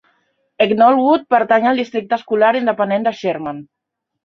Knollwood pertany al districte escolar independent de Sherman.